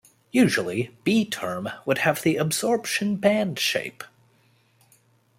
Usually, B term would have the absorption band shape.